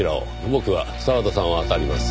僕は澤田さんをあたります。